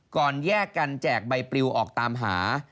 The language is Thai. แยกกันแจกใบปลิวออกตามหา